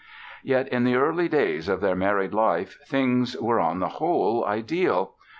Yet in the early days of their married life things were on the whole, ideal.